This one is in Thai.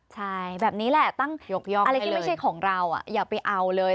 ใช่แบบนี้แหละตั้งยกย่องอะไรที่ไม่ใช่ของเราอย่าไปเอาเลย